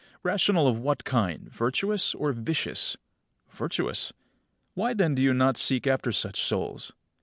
Rational of what kind, virtuous or vicious? Virtuous. Why then do you not seek after such souls?